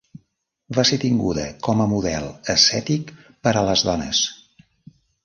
Va ser tinguda com a model ascètic per a les dones.